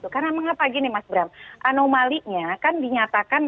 karena mengapa gini mas bram anomalinya kan dinyatakan